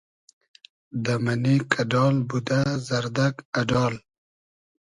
دۂ مئنې کئۮال بودۂ زئردئگ اۮال